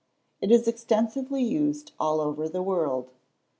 It is extensively used all over the world.